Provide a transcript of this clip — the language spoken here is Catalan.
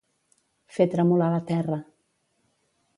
Fer tremolar la terra.